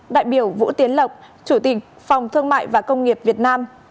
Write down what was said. đại biểu vũ tiến lộc chủ tình phòng thương mại và công nghiệp việt nam